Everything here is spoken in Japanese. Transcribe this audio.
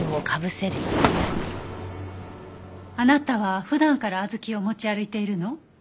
あなたは普段から小豆を持ち歩いているの？